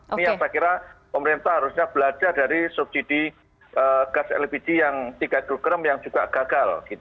ini yang saya kira pemerintah harusnya belajar dari subsidi gas lpg yang tiga kg yang juga gagal